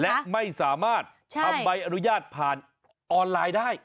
และไม่สามารถทำใบอนุญาตผ่านออนไลน์ได้